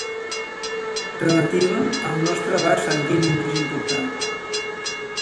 Relativa al nostre vas sanguini més important.